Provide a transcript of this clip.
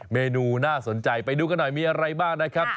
เมนูน่าสนใจไปดูกันหน่อยมีอะไรบ้างนะครับ